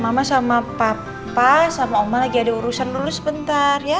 mama sama papa sama oma lagi ada urusan lulus sebentar ya